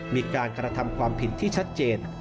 มีการกระทำความผิดที่ชัดเจน